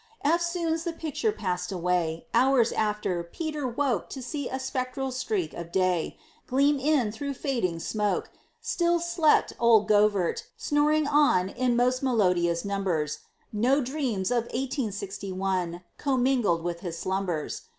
Eftsoons the picture passed away; Hours after, Peter woke To see a spectral streak of day Gleam in through fading smoke; Still slept old Govert, snoring on In most melodious numbers; No dreams of Eighteen Sixty One Commingled with his slumbers.